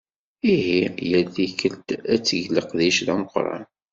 Ihi yal tikelt ad teg leqdic d ameqqran.